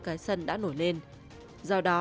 cái sân đã nổi lên do đó